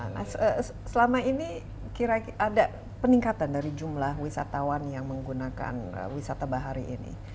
nah selama ini kira kira ada peningkatan dari jumlah wisatawan yang menggunakan wisata bahari ini